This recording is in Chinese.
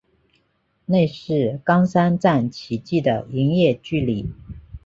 内是冈山站起计的营业距离。